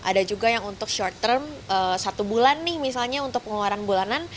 ada juga yang untuk short term satu bulan nih misalnya untuk pengeluaran bulanan